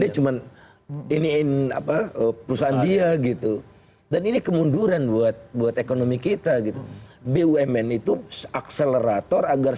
ini gloves pads saya gitu dan ini kemunduran buat buat ekonomi kita gitu bwn itu various agar